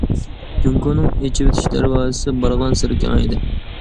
جۇڭگونىڭ ئېچىۋېتىش دەرۋازىسى بارغانسېرى كېڭەيدى.